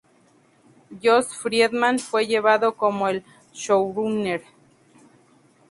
Josh Friedman fue llevado como el showrunner.